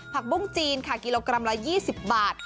บุ้งจีนค่ะกิโลกรัมละ๒๐บาท